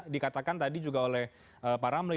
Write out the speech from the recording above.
dikatakan tadi juga oleh pak ramli